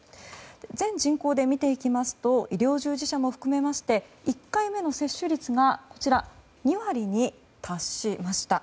全人口で見ていきますと医療従事者も含めまして１回目の接種率が２割に達しました。